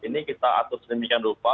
ini kita atur sedemikian dulu pak